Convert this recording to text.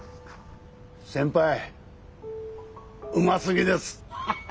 先輩うますぎです。ハハハ。